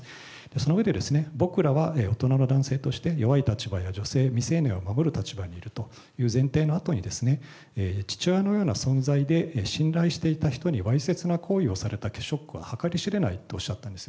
その上で、僕らは大人の男性として弱い立場の女性、未成年を守る立場にいると、前提のあとに、父親のような存在で信頼していた人にわいせつな行為をされたショックは計り知れないとおっしゃったんです。